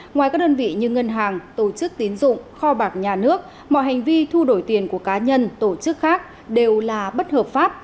ngoài các đơn vị như ngân hàng tổ chức tín dụng kho bạc nhà nước mọi hành vi thu đổi tiền của cá nhân tổ chức khác đều là bất hợp pháp